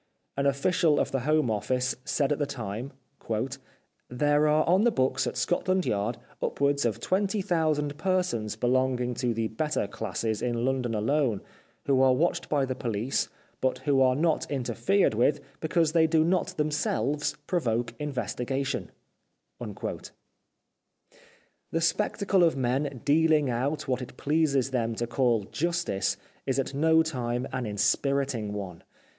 An official of the Home Office said at the time :" There are on the books at Scotland Yard upwards of 20,000 persons belonging to the better classes in London alone, who are watched by the police, 351 The Life of Oscar Wilde but who are not interfered with because they do not themselves provoke investigation." The spectacle of men dealing out what it pleases them to call justice is at no time an inspiriting one.